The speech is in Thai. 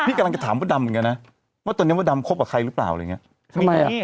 กำลังจะถามมดดำเหมือนกันนะว่าตอนนี้มดดำคบกับใครหรือเปล่าอะไรอย่างเงี้ยทำไมอ่ะ